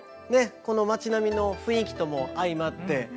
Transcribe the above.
この町並みの雰囲気とも相まって。